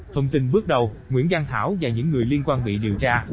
thông tin bước đầu nguyễn giang thảo và những người liên quan bị điều tra